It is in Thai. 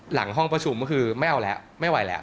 หลังห้องประชุมก็คือไม่เอาแล้วไม่ไหวแล้ว